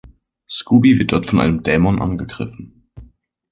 Scooby wird dort von einem Dämon angegriffen.